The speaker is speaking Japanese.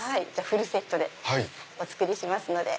フルセットでお作りしますので。